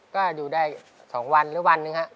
ก็อยู่ได้๒วันหรือวันหนึ่งฮะ